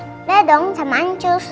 udah dong sama ancus